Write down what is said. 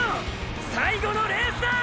最後のレースだ！！